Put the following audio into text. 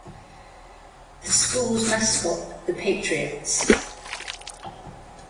The school's mascot the Patriots.